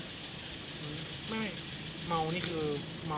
หือมึง